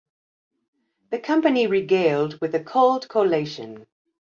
The company regaled with a cold collation.